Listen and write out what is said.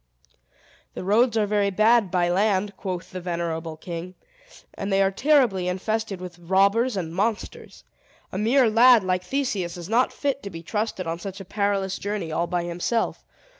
"The roads are very bad by land," quoth the venerable king; "and they are terribly infested with robbers and monsters. A mere lad, like Theseus, is not fit to be trusted on such a perilous journey, all by himself.